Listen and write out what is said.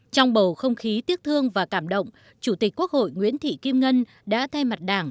trong bầu không khí tiếc thương và cảm động chủ tịch quốc hội nguyễn thị kim ngân đã thay mặt đảng